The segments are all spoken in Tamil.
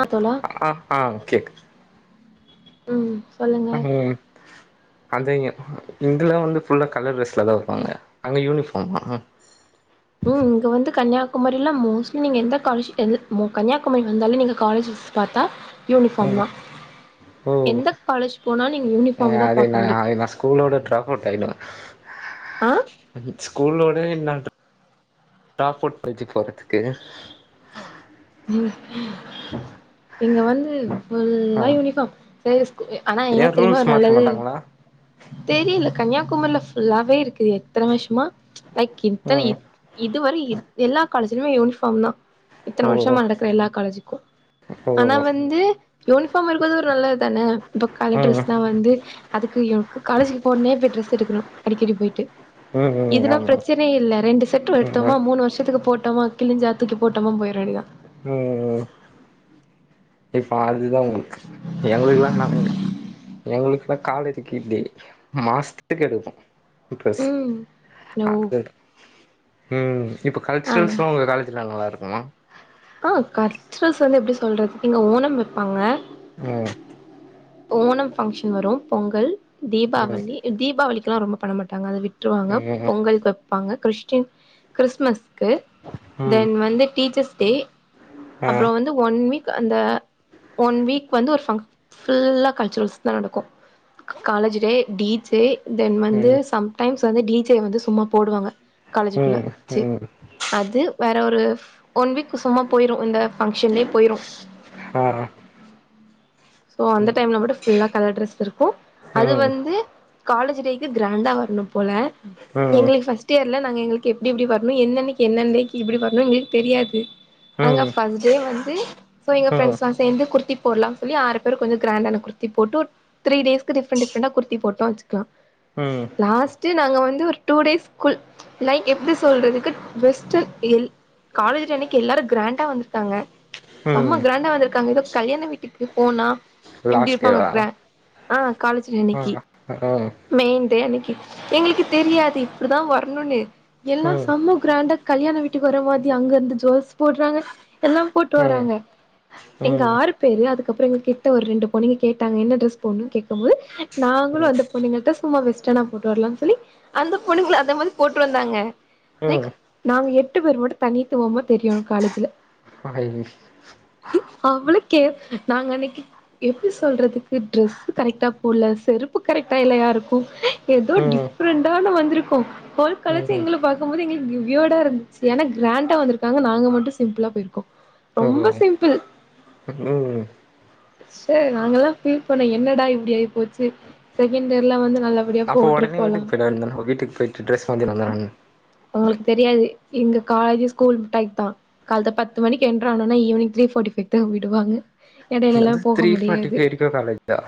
அ தோழா அ அ ஓகே ம் சொல்லுங்க அதங்க இங்க இங்கலா வந்து ஃபுல்லாக கலர் ட்ரெஸ்ல தா வப்பாங்க அங்க யூனிஃபார்ம்மா ம் இங்க வந்து கன்னியாகு குமரிலா மோஸ்லி நீங்க எந்த காலேஜ் எந்த கன்னியாகுமரி வந்தாலே நீங்க காலேஜ்ஜஸ் பாத்தா யூனி ம் ஃபாம்தா ஓ எந்த காலேஜ் போனாலு நீங்க யூனிஃபாம்தா அது நா பாக்க முடியு அது நா ஸ்கூலோட ட்ராப் அ ஸ்கூல்லோட என்ன டா டாக் அவுட் பஞ்சு போறதுக்கு ம் இங்க வந்து ஆ ஃபுல்லா யூனிஃபாம் சரி ஆனா ஏ என்னா தெரியுமா ரூல்ஸ் ஒரு மாத்த நல்லது மாட்டாங்களா தெரியல கன்னியாகுமரியில ஃபுல்லாவே இருக்கு எத்தன வர்ஷமா லைக் இத்தன ம் இதுவரை எல்லா காலேஜ்லையுமே யூனிஃபாம் தா ஓ வருஷமா நடக்குற எல்லா காலேஜுக்கு ஓ ஆனா வந்து யூனிஃபாம் இருக்கது ஒரு நல்லது தானே இப்ப கலர் ம் டிரெஸ்னா வந்து அதுக்கு எக்கு காலேஜுக்கு போனுனே போய் ட்ரெஸ் எடுக்கணு அடிக்கடி பொய்ட்டு ம் ம் இதுன்னா ஆமா பிரச்சன இல்ல ரெண்டு செட்டு ம் எடுத்தோமா ம் மூணு வர்ஷத்துக்கு போட்டமா கிழிஞ்சா தூக்கி போட்டமா போய்ற வேண்டியதா ம் இப்ப அதுதா எங்களுக்குல்லா என்னா கொற எங்ளுக்லா காலேஜிக்கு இப்டி மாசத்துக்கு எடுப்போ புது‌ ட்ரெஸ் ம் ஓ அது ம் இப்ப ஆ கல்ச்சுரல்ஸ்லா உங்க காலேஜ்ல நல்லா இருக்குமா ஆ கல்ச்சுரல்ஸ் வந்து எப்டி சொல்றது இங்க ஓணம் வெப்பாங்க ம் ஓணம் பங்க்ஷன் வரு பொங்கல் ம் தீபாவளி தீபாவளிக்லா ரொம்ப பண்ண மாட்டாங்க அத வி ட்ருவாங்க ம் பொங்கல்க்கு வப்பாங்க கிறிஸ்டின் கிறிஸ்மஸ் க்கு ம் தென் வந்து டீச்சர்ஸ் டே ஆ அப்றோ வந்து ஒன் வீக் அந்த ஒன் வீக் வந்து ஒரு ஃபங் ஃபுல்லா கல்ச்சுரல்ஸ் தா நடக்கு college day teach day then வந்து ம் சம் டைம்ஸ் வந்து டி ஜே வந்து சும்மா போடுவாங்க காலேஜுகுள்ள ம் வச்சு ம் அது வேற ஒரு ஒன் வீக்கு சும்மா போய்ரு இந்த ஃபங்ஷன்லே போய்ரு பார்றா ஸோ அந்த டைம்ல மட்டு ஃபுல்லா கலர் ட்ரெஸ் இருக்கு அது ம் வந்து காலேஜு டே க்கு கிராண்டா வர்னும் போல ம் எங்ளுக் ஃபஸ் ட்டியர்ல நாங்க எங்களுக்கு எப்டி எப்டி வர்னு என்னென்னக்கி என்னென் டே க்கி எப்டி வர்னு எங்களுக் தெரியாது நாங்க ம் ஃபஸ்ட் டே வந்து ஸோ எங்க ஃப்ரெண்ட்ஸ்லா சேந்து குர்த்தி போட்லா சொல்லி ஆறு பேரு கொஞ்சோ கிராண்டான குர்த்தி போட்டு ஒரு த்ரீ டேஸ்க்கு டிஃப்ரெண்ட் டிஃப்ரெண்டா குர்த்தி போட்டோ வச்சுக்லா ம் லாஸ்ட்டு நாங்க வந்து ஒரு டூ டேஸ் குல் லை எப்டி சொல்றதுக்கு வெஸ்ட்டு எந் காலேஜு டே அன்னக்கி எல்லாரு கிராண்டா வந்திருக்காங்க ம் செம்ம கிராண்டா வந்திருக்காங்க எதோ கல்யாண வீட்டுக்கு போனா எப்டி லாஸ்ட் இருப்பாங்க டேவா கிரா ஆ காலேஜு டே ஆ அன்னக்கி ம் ம் மெயின் டே அன்னக்கி எங்ளுக்கு தெரியாது இப்டிதா வர்னுன்னு எல்லா ம் செம்ம கிராண்டா கல்யாண வீட்டுக்கு வர மாதி அங்க வந்து ஜொல்ஸ் போட்றாங்க எல்லா போட்டு ம் வராங்க எங்க ஆறு ம் பேரு அதுக் கப்றோ எங்க கிட்ட ஒரு ரெண்டு பொண்ணுங்க கேட்டாங்க என்ன ட்ரெஸ் போட்னுன் கேக்கம்போது நாங்களு அந்த பொண்ணுங்கள்ட்ட சும்மா வெஸ்டனா போட்டு வர்லான் சொல்லி அந்த பொண்ணுங்களு அந்த மாரி போட்டு வந்தாங்க லைக் நாங்க எட்டு பேரு மட்டு தனித்துவமா தெரியனு காலேஜுல [inaudible] அவ்ளோ கே நாங்க அன்னக்கி எப்டி சொல்றதுக்கு ட்ரெஸு கரெக்டா போட்ல செருப்பு கரெக்டால்ல யாருக்கு எதோ ம் டிஃப்ரெண்டான வந்துருக்கோ ஹோல் காலேஜு எங்கள பா க்க மாரி எங்களுக் வியர்டாருந்திச்சி ஏனா கிராண்டா வந்துருக்காங்க நாங்க மட்டு சிம்பிளா போய்ருக்கோ [inaudible] சே நாங்களா ஃபீல் பண்ணோ என்னடா இப்டி ஆய்போச்சு செகண்ட் இயர்லா வந்து நல்லபடியா அப்போ ஒடனே போட்ருபோலா வீட்டுக்கு போயிட வேண்டியதான வீட்டுக்கு போயிட்டு ட்ரெஸ் மாத்தினு வந்துரனு உங்களுக்கு தெரியாது எங்க காலேஜே ஸ்கூல் டைப் தா கால்த பத்து மணிக் கென்ட்றானோனா ஈவ்னிங் த்ரீ ஃபார்டி ஃபை க்தா விடுவாங்க எடைலலா என்னது போக த்ரீ ஃபார்ட்டி முடியாது ஃபை வரைக்கு காலேஜா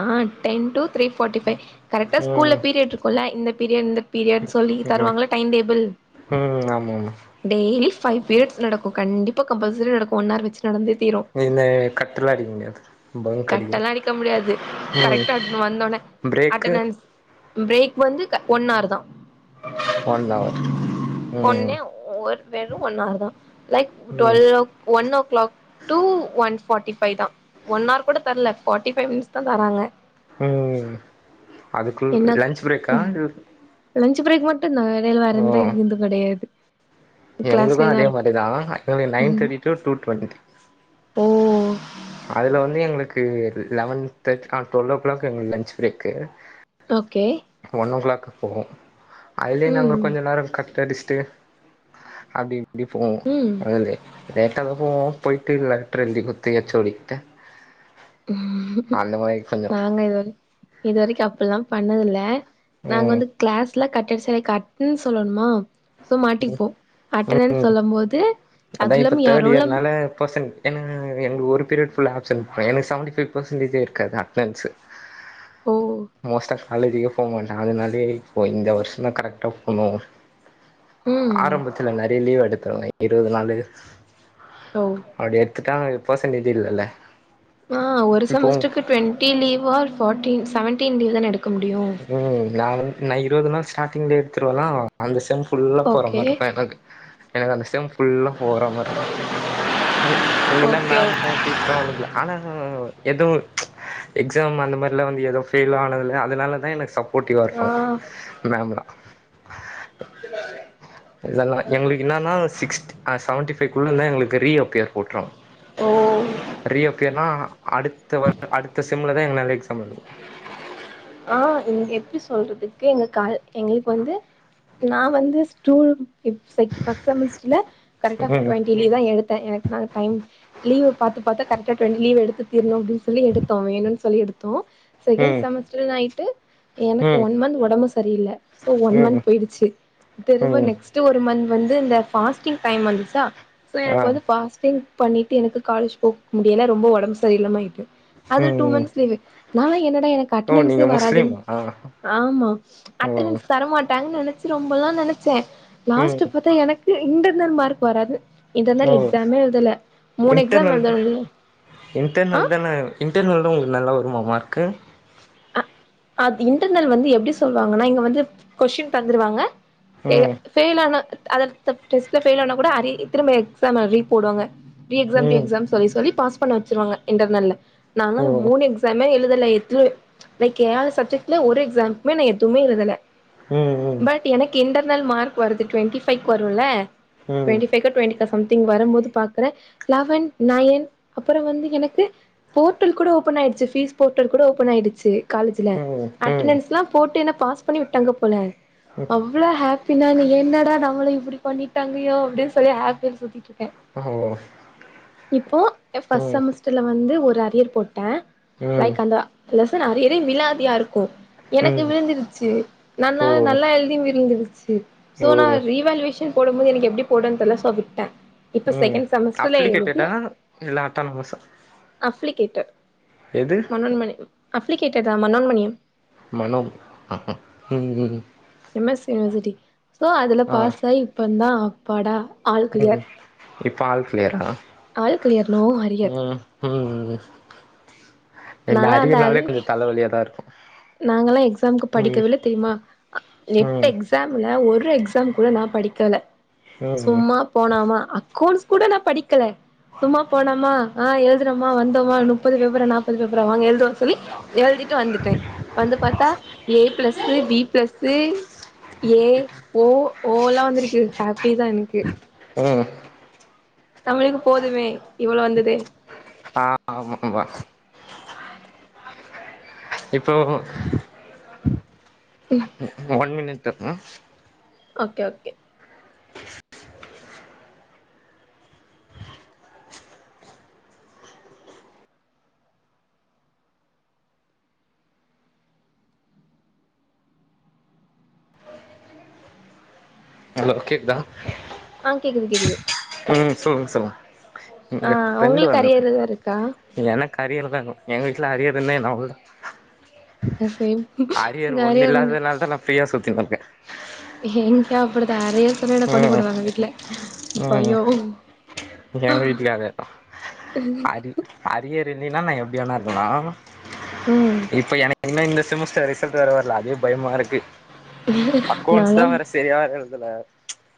ஆ ten to three forty five கரெக்டா ஸ்கூல்ல ம் பீரியட்ருக்குல்ல இந்த பீரியட் இந்த பீரியட்ன் சொல்லி ம் தருவாங்ள டைம் டேபிள் ம் ஆமா ஆமா டெய்லி ஃபை பீரியட்ஸ் நடக்கு கண்டிப்பா கம்பல்சரி நடக்கு ஒன்னார் வச்சி நடந்தே தீரு இந்த கட்டெல்லா அடிக்க முடியாது பங்க் அடிக்கிற கட்டெல்லா அடிக்க முடியாது ம் கரெக்டா இப்னு வந்தோன பிரேக்கு அட்டணன்ஸ் ம்‌ பிரேக் வந்து க ஒன்னார் தா ஒன் அவர் ம் ஒன்னே ஒர் வெறு ஒன்னவர்தா லைக் ம் twelve o' one o'clock two one forty five தா ஒன்னார் கூட தர்ல ஃபார்டி ஃபை மினிட்ஸ் தா தராங்க ம் அதுக்கு லன்ச் பிரேக்கா லஞ்சு பிரேக் மட்டுந்தா எடைல ஓ வேறெந்த இது வந்து கெடையாது எங்களுக்கு கிளாஸ்லயே தா அதே இருக் மாரிதா எங்குளுக் நைன் தேட்டிடூ டூ டுவெண்ட்டி த்ரீ ஓ அதுல வந்து எங்களுக்கு லவன் தெர்த் டொல்லோ கிளாக்கு எங்களுக் லன்ச்சு பிரேக்கு ஓகே ஒன் ஓ கிளாக்குக் போவோ அதுலயு நாங்க ம் கொஞ்ச நேரோ கட் அடிஸ்ட்டு அப்டி இப்டி போவோ ம் அதுலே லேட்டாதா போவோ போய்ட்டு லெட்ரு எழ்த்திகுட்த்து ஹெச் ஓ டி கிட்ட ம் அந்த மாரி கொஞ்சோ நாங்க இதுவர இதுவரைக்கு அப்புல்லா பண்ணதுல்ல நாங்க ம் வந்து கிளாஸ்ல கட்டடிசதே கட்னன்ஸ் சொல்லன்மா சோ மாட்டிப்போ அட்டனனு ம் சொல்லம்போது அதுல்லாம் ஏன் ரோல்ல அ பசங் ஏனா எங்ளுக் ஒரு பீரியட் ஃபுல்லா ஆப்சன்ட் எனக்கு சவன்டி ஃபை் பெர்சன்டேஜே இருக்காது அட்னன்ஸு ஓ மோஸ்ட்டா காலேஜிகே போக மாட்ட அதனாலே இப்போ இந்த வர்ஷோந்தா கரெக்ட்டா போனு ம் ஆரம்பத்துல நெறைய லீவ் எடுத்திர்ந்த இருவது நாலு ஆ அப்டி எட்த்துட்டாவே பெர்சன்டேஜே இல்லல ஆ ஒரு செமஸ்டருக்கு டுவெண்ட்டி லீவா ஃபோட்டீன் சவன்டீன் லீவ்தா எடுக்க முடியு ஓ நா வந் நா இருவது நாள் ஸ்டாடிங்லே எடுத்துருவனா அந்த செம் ஃபுல்லா போற ஓகே மார்ருக்கு எனக்கு எனக்கு அந்த செம் ஃபுல்லா போற மார்ருக்கு எ இல்லினா ஓகே மேமு [inaudible] பீச்ரு ஒன்னுமில்ல ஆனா எதுவு எக்ஸாம் அந்த மாரிலா வந்து எதூ ஃபெய்லு ஆனதுல்ல அதுனால எனக்கு சப்போட்டிவா ஆ இருக்கு மேம்லா இதெல்லா எங்ளுக்கு என்னன்னா சிக்ஸ்த்து ஆ சவன்டி ஃபைக்குள்ளனா எங்ளுக்கு ரீ அப்பியர் போட்ரு ஓ ரி அப்பியர்னா அடுத்த வர் அடுத்த செம்லதா எங்குலால எக்ஸாம் எழுத முடியு ஆ இங்க எப்டி சொல்றதுக்கு எங்க காலு எங்ளுக்கு வந்து நான் வந்து ஸ்டூ எக் செக் ஃபஸ்ட் செமஸ்ட்ருல கரெட்டா ம் டுவென்டி லீவ்தா எடுத்த எனக்கு நா அந்த டைம் லீவ பாத்து பாத்தா கரெட்டா டொண்டி லீவ் எடுத்து தீர்ணு அப்டின் சொல்லி எடுத்தோ வேணுன் சொல்லி எடுத்தோ செகெண் செமஸ்ட்ரு என்னாய்ட்டு ம் எனக்கு ஒன் மந்த் ஒடம்பு சரியில்ல சோ ஒன் ம் மந்த் போய்டுச்சு ம் திரும்ப ம் நெக்ஸ் த்து ஒரு மந்த் வந்து இந்த ஃபாஸ்டிங் டைம் வந்துச்சா சோ ஆ எனக்கு வந்து ஃபாஸ்டிங் பண்ணிட்டு எனக்கு காலேஜ் போ முடில ரொம்போ ஒடம்பு சரியில்லாம் ஆய்ட்டு அதுல டூ ம் மந்த்ஸ் லீவு நா என்னடா எனக்கு ஓ அட்ணன்ஸே நீங்க வராதுன் முஸ்லீமா ஆ ஆமா ஓ அட்டன்ஸ் தரமாட்டாங்கன் நெனச் ரொம்பல்லா நெனைச்சே ம் லாஸ்ட்டு பாத்தா எனக்கு இன்டர்னெல் மார்க் வராது ஓ இன்டர்னல் எக்ஸாமே எழுதல மூணு எக்ஸாம் இன்டர்னல் எழுதலே ஆ இன்டர்னல்ல உங்ளுக்கு நல்லா வருமா மார்க்கு அது இன்டர்னல் வந்து எப்டி சொல்வாங்கனா இங்க வந்து கொஸ்ஸின் தந்துருவாங்க பெயா ம் ஃபெயிலானா அத் அடுத்த டெஸ்ட்ல ஃபெயில் ஆனா கூட அரி திரும்ப எக்ஸாம ரீ போடுவாங்க ரீ எக்ஸாம் ரீ ம் எக்ஸாம் சொல்லி சொல்லி பாஸ் பண்ண வச்சிருவாங்க இன்டர்னல்ல நாலா ஓ மூண் எக்ஸ் ஸாமே எழுதல எதுமே கேழு சப்ஜெக்ட்ல ஒரு எக்ஸாம்க்மே நான் எதுமே எழுதல ம் ம் பட் எனக்கு இன்டர்னல் மார்க் வருது டொண்டி ஃபைக் வருல ம் ம் ம் டொண்டிஃபைவ்கோ டொண்டி ப்ரெசென்ட் [unintelligible] வரும்போது பாக்றே லவன் நைன் அப்பற வந்து எனக்கு போர்டல் கூட ஓப்பன் ஆயிடுச்சு ஃபீஸ் போர்டல் கூட ஓப்பன் ஆயிடுச்சு காலேஜ்ல ஓ ம் ம் அட்டன்ஸ்ல்லா போட்டு என்ன பாஸ் பண்ணி விட்டாங்க போல அவ்ள ஹாப்பி பின்னாடி என்னடா நம்மள இப்டி பண்ணிட்டாங்கயோ அப்டின்னு சொல்லி ஹாப்பிய சுத்திட்ருக்கே இப்போ ஃபஸ்ட் செமஸ் ல வந்து ஒரு அரியர் போட்ட லைக் அந்த லெசன் அரியரே விளாது யாருக்கு எனக்கு ம் விழுந்துருச்சு நா ஓ நல்லா எழுதிய விழுந்துருச்சு சோ ஓ நா ரி வாலிவேஷன் போடும் போது எனக்கு எப்டி போடுன் தெர்ல சோ விட்டே இப்ப ம் செகண்ட் செமஸ்டர்ல எழுதி அப்ளிக்கேட்டடா இல்லா அட்டான் மோச அப்ளிகேட்டட்டு எது மனோண் மணி அப்ளிகேடாதா மனோன்மணியம் மனோம் ம் M S C university so அதுல ஆ பாஸ் ஆகி இப்பந்தா அப்பாடா ஆல் கிளியர் ம் இப்ப ஆல் கிளியரா ஆல் க்ளியர் நோ அரியர் ம் ம் இந்த நாலா அரியர்னாலே கொஞ்ச தலைவலியாதா இருக்கு நாங்கெல்லா எக்ஸாம்க்கு ம் படிக்கவே இல்ல தெரியுமா எ எட்டு ம் எக் ஸாம்ல ஒரு எக்ஸாம் கூட நா படிக்கல ம் சும்மா போனாமா அக்கௌண்ட்ஸ் கூட நா படிக்கல சும்மா போனாமா ஆ எழு துனமா வந்தோமா முப்பது பேப்பரா நாப்பது பேப்பரா வாங்க எழுதுவ சொல்லி எழுதிட்டு வந்துட்டே வந்து பாத்தா A plus B plus A O ஓலா வந்திருக்கு ஹாப்பி தா எனக்கு ஆ நம்பளுக்கு போதுமே இவ்ள வந்தது ஆ ஆமா ஆமா இப்போ ம் இந்த ஒன் மினிட்‌ங்க ஓகே ஓகே ஹலோ கேக்தா ஆ கேக்குது கேக்குது ம் சொல்லுங் சொல்லுங் ஆ இங்க ஃப்ரண்டு உங்களுக்கு வந் அரியர் எதா இருக்கா [inaudible] எனக்கு அரியரதவுலு எங்க வீட்ல அரியர்னு நா [unintelligible] சேம் அரியர் இங்க ஒண்ணு அரியர் இல்லாதனாலதா நா ஃபிரீய சுத்தின் இருக்கே என்டு அப்டித்தா அரியர்னு சொன்ன என்ன கொண்ணு ம் புடுவாங்க வீட்ல ம் பயோ எங்க வீட்லயு அதேதா அரி அரியர் இல்லைனா நா எப்டிவேனா இருக்கலா ம் இப்ப எனக் இன்னு இந்த செமஸ்டர் ரிசல்ட் வரவ இல்ல அதே பயமா இருக்கு அக்கௌண்ட்ஸ் தா நாலா வேற செரியா எழுதல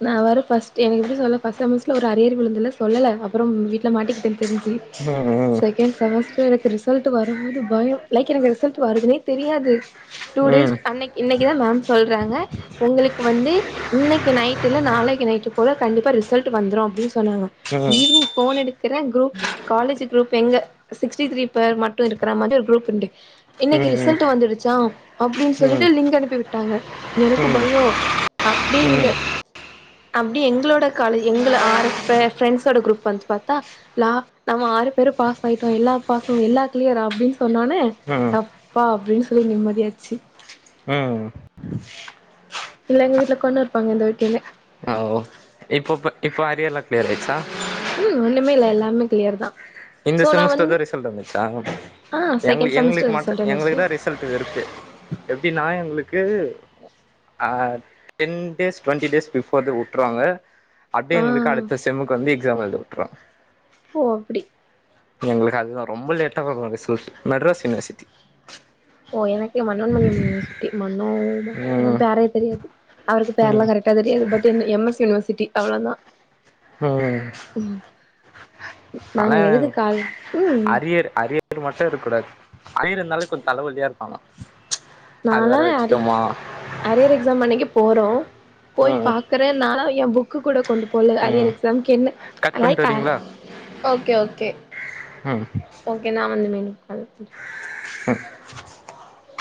நா வற ஃப்ர்ஸ்ட் எனக்கு எப்டி சொல்ல ஃப்ர்ஸ்ட் செமஸ்ட்ல ஒரு அரியர் விழுந்துல்ல சொல்லல்ல அப்பறம் வீட்ல மாட்டிக்கிட்டே தெரிஞ்சு ம் செக்கண்டு செமஸ் எனக்கு ரிசல்ட் வரும் மோது பயம் லைக் எனக்கு ரிசல்ட் வருதுனே தெரியாது டூ டேஸ் ம் அன்னைக் இன்னைக்கு தா மேம் சொல்றாங்க உங்களுக்கு வந்து இன்னைக்கு நைட் டு இல்ல நாளைக்கு நைட்டு போல கண்டிப்பா ரிசல்ட்டு வந்துரும் அப்டின் சொன்னாங்க ம் ஈவ்னிங் ஃபோன் எடுக்கிற குரூப்பு காலேஜ்ஜி குரூப் எங்க சிக்ஸ்டி த்ரீ பேர் மட்டும் இருக்கற மாரி ஒரு குரூப் உண்டு இன்னைக்கு ம் ரிசல்ட்டு வந்துடுச்சா அப்டின் ம் ம் சொல்லிட்டு லிங்க் அனுப்பி விட்டாங்க எனக்கு பயோ அப்டி ம் இங்க ம் அப்டி எங்களோட காலேஜ் எங்கள ஆறு பேர் ஃப்ரெண்ட்ஸோட குரூப் வந்து பாத்தா நா நம்ம ஆறு பேரும் பாஸ் ஆயிட்டோம் எல்லா பசங் எல்லா கிளியரா அப்டின் சொன்னொன்னே ம் அப்பா அப்டின் சொல்லி நிம்மதியாச்சு ம் இல்ல எங்க வீட்ல கொன்னு இருப்பாங்க இந்த வட்டில்ல ஆ ஓ இப்பப்ப இப்போ அரியர்ல்லா கிளியர் ஆய்ச்சா ம் ஒண்ணுமே இல்ல எல்லாமே கிளியர் தா இந்த சோ நா செமஸ்டர் வந்து தா ரிசல்ட் வந்துச்சா ஆ செகண்ட் எங்குளுக்கு எங்களுக்கு செமஸ்டர் மட்டு ரிசல்ட் எங்க வந்துருச்சு இதா ரிஸ் சல்ட்டு இருக்கு எப்டின்னா எங்ளுக்கு ஆ டென் டேஸ் டுவெண்ட்டி டேஸ் பிபோர்து உட்ருவாங்க அப்டே ஆ எங்குளுக்கு அடுத்த செம்முக்கு வந்து எக்ஸாம் எழுத விட்றோம் ஓ அப்டி எங்களுக்கு அதுதா ரொம்ப லேட்டா வரும் ரிசல்ட்டு மெட்ராஸ் யூனிவர்சிட்டி ஓ எனக்கு மன்னோன் மணியம் யுனிவர்சிட்டி மன்னோ ம் வேற யார் பேர்யோ வர்து அவருக்கு ம் பேர்ல்லா கரெக்டா தெரியாது பட்டு என் எஸ் யுனிவர்சிட்டி அவ்ளோ தா ம் நாங்க ஆனா எதுக்கு கால் ம் அரியர் அரிய யர் மட்டும் இருக் கூடாது அரியர் இருந்தாலு கொஞ்சம் தலவலியா இருக்கோ ஆனா நா அது லா வேற அரி வச்சுட்டோமா அரியர் எக்ஸாம் அன்னைக்கி போறோம் போய் ம் பாக் குற நா லா என் புக்கு கூட கொண்டு போல அரியர் ம் எக்ஸாம்க்கு என்ன கட் அன்னால் பண்ணிட்டு கா வரீங்களா ஓகே ஓகே ம் ஓகே நா வந்து ஒன்னே கால் பண்ற அ